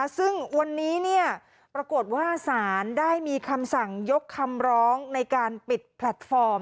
ซึ่งวันนี้ปรากฏว่าศาลได้มีคำสั่งยกคำร้องในการปิดแพลตฟอร์ม